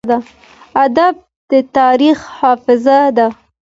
ادب د تاریخ حافظه ده.